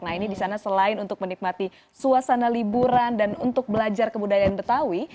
nah ini di sana selain untuk menikmati suasana liburan dan untuk belajar kebudayaan betawi